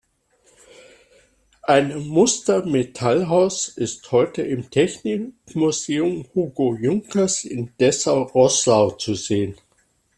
Ein Muster-Metallhaus ist heute im Technikmuseum Hugo Junkers in Dessau-Roßlau zu sehen.